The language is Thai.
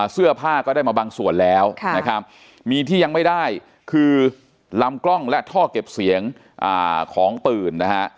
เสื้อผ้าก็ได้มาบางส่วนแล้วนะครับมีที่ยังไม่ได้คือลำกล้องและท่อเก็บเสียงของปืนนะฮะ